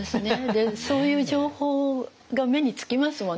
でそういう情報が目につきますもんね。